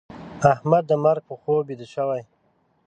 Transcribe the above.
احمد د مرګ په خوب بيده شو.